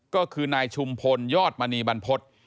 ก็คือนายชุมพลยอดมณีบรรพฤษ